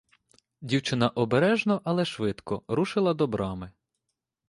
Дівчина обережно, але швидко рушила до брами.